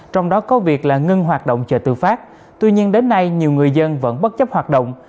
trong đó có việc là ngưng hoạt động chợ tự phát tuy nhiên đến nay nhiều người dân vẫn bất chấp hoạt động